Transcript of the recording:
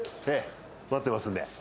待ってますんで。